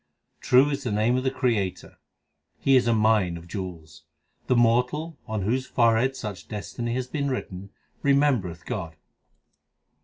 True is the name of the Creator ; He is a mine of jewels. The mortal, on whose forehead such destiny hath been written, remembereth God.